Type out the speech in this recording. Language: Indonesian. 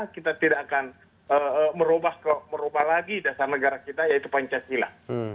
kita tidak akan merubah lagi dasar negara kita yaitu pancasila